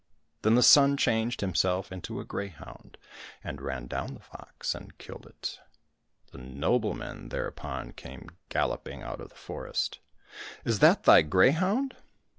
Then the son changed himself into a greyhound, and ran down the fox and killed it. The noblemen thereupon came galloping out of the forest. " Is that thy greyhound